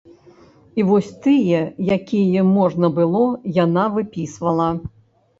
І вось тыя, якія можна было, яна выпісвала.